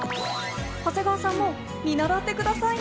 長谷川さんも見習ってくださいね。